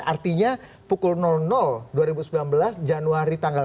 artinya pukul dua ribu sembilan belas januari tanggal satu